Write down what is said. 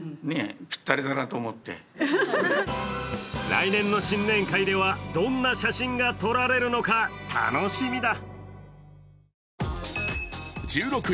来年の新年会ではどんな写真が撮られるのか、楽しみだ。